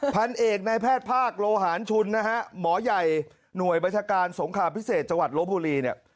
พันเอกในแพทย์ภาคโลหารชุนนะฮะหมอใหญ่หน่วยบัญชาการสงครามพิเศษจังหวัดลบบุรีเนี่ย